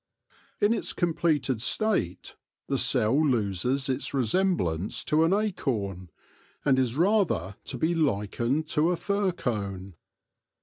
In its completed state the cell loses its resemblance to an acorn, and is rather to be likened to a fir cone.